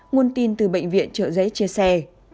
nguồn tin từ bệnh viện trợ giấy chia sẻ